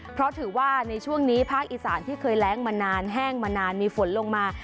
เพราะถือว่าในช่วงนี้ภาคอีสานที่เคยแร้งมานานแห้งมานานมีฝนลงมา